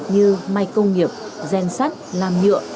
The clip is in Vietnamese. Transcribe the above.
như máy công nghiệp gen sắt làm nhựa